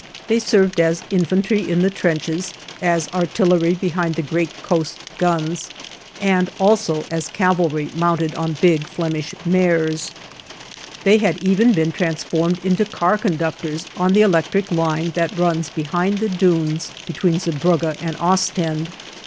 They served as infantry in the trenches, as artillery behind the great coast guns, and also as cavalry mounted on big Flemish mares. They had even been transformed into car conductors on the electric line that runs behind the dunes between Zeebrugge and Ostend.